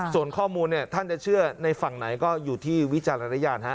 ส่วนข้อมูลท่านจะเชื่อในฝั่งไหนก็อยู่ที่วิจารณญาณ